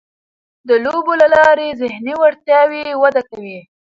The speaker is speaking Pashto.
د لوبو له لارې ذهني وړتیاوې وده کوي.